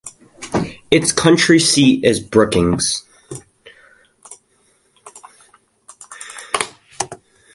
Its county seat is Brookings.